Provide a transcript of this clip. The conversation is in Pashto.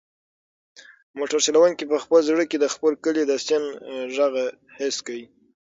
موټر چلونکي په خپل زړه کې د خپل کلي د سیند غږ حس کړ.